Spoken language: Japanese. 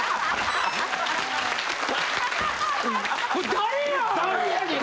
「誰やねん！」